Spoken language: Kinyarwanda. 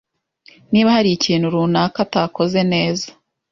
Niba hari ikintu runaka atakoze neza